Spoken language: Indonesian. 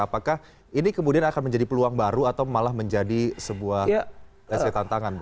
apakah ini kemudian akan menjadi peluang baru atau malah menjadi sebuah tantangan